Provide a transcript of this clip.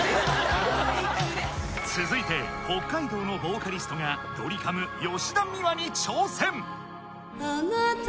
続いて北海道のボーカリストが「ドリカム」吉田美和に挑戦！